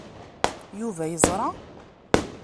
Yuba yeẓra?